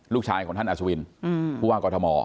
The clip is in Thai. ลูกชายของท่านอาจวินภูวางกทม